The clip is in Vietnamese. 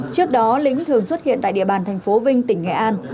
trước đó lĩnh thường xuất hiện tại địa bàn thành phố vinh tỉnh nghệ an